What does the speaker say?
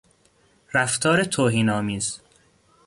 رفتار توهین آمیز